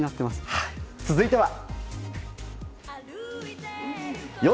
続いては。